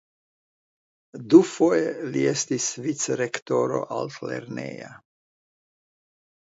Dufoje li estis vicrektoro altlerneja.